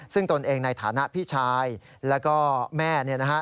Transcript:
ซึ่งตนเองในฐานะพี่ชายแล้วก็แม่เนี่ยนะฮะ